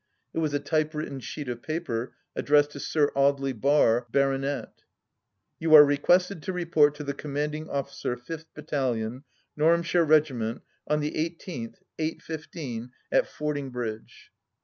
It was a typewritten sheet of paper, addressed to Sir Audely Bar, Bart. " You are requested to report to the Commanding Officer Fifth Battalion, Norhamshire Regiment, on the 18th, 8.15, at Fordingbridge."